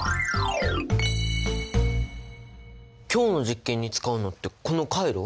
今日の実験に使うのってこのカイロ？